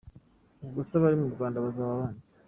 Ubwo se abari mu Rwanda bazaba abande ?